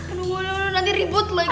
aduh nanti ribut lagi